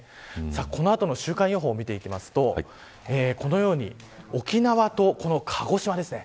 この後の週間予報を見ていくとこのように沖縄と鹿児島です。